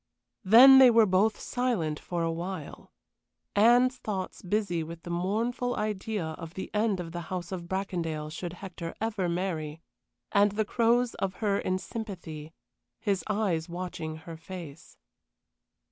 Then they were both silent for a while Anne's thoughts busy with the mournful idea of the end of the House of Bracondale should Hector never marry, and the Crow's of her in sympathy, his eyes watching her face.